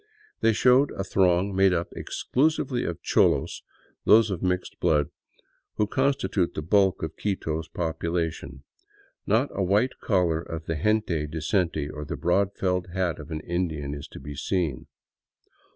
They show a throng made up exclusively of cholos, those of mixed blood, who constitute the bulk of Quito's population. Not a white collar of the gente decente or the broad felt hat of an Indian is to be seen.